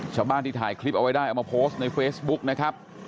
ชาวบ้านที่ถ่ายคลิปเอาไว้ได้เอามาโพสต์ในเฟซบุ๊กนะครับ